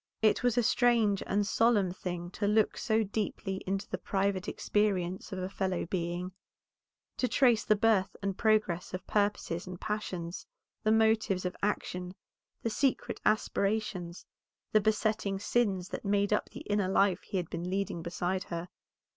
It was a strange and solemn thing to look so deeply into the private experience of a fellow being; to trace the birth and progress of purposes and passions, the motives of action, the secret aspirations, the besetting sins that made up the inner life he had been leading beside her.